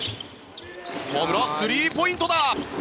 スリーポイントだ！